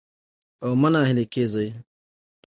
او مه ناهيلي کېږئ